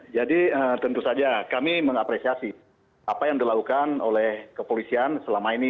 jadi tentu saja kami mengapresiasi apa yang dilakukan oleh kepolisian selama ini